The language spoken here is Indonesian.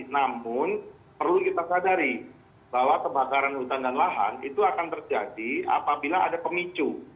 namun perlu kita sadari bahwa kebakaran hutan dan lahan itu akan terjadi apabila ada pemicu